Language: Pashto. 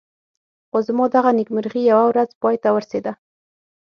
خو زما دغه نېکمرغي یوه ورځ پای ته ورسېده.